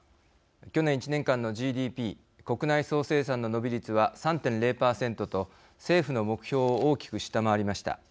去年１年間のＧＤＰ＝国内総生産の伸び率は３．０％と、政府の目標を大きく下回りました。